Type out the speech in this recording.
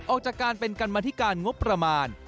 ออกจากการเป็นกรรมธิการงบประมาณ